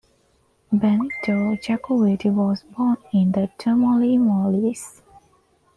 Benito Jacovitti was born in Termoli, Molise.